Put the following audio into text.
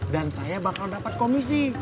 dan saya bakal dapat komisi